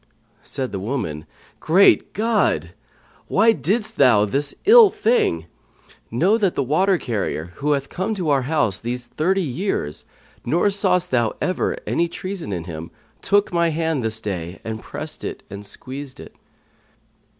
Said the woman, "Great God! Why didst thou this ill thing? Know that the water carrier, who hath come to our house these thirty years, nor sawst thou ever any treason in him took my hand this day and pressed and squeezed it."